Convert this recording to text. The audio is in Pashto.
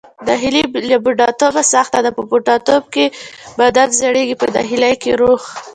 ناهیلي له بوډاتوب سخته ده، په بوډاتوب کې بدن زړیږي پۀ ناهیلۍ کې روح.